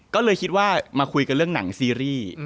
ก็เลยคิดว่ามาคุยกันเรื่องหนังซีรีส์